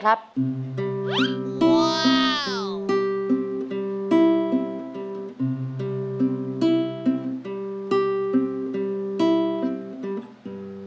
ไอลาเปะเทป